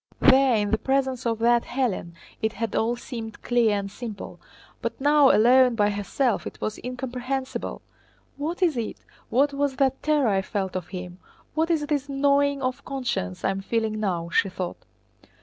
—there in the presence of that Hélène it had all seemed clear and simple; but now, alone by herself, it was incomprehensible. "What is it? What was that terror I felt of him? What is this gnawing of conscience I am feeling now?" she thought.